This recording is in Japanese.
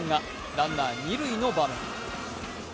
ランナー二塁の場面。